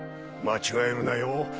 間違えるなよ。